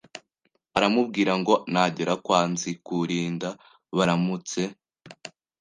aramubwira, ngo nagera kwa Nzikurinda abaramutse